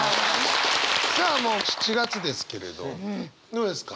さあもう７月ですけれどどうですか？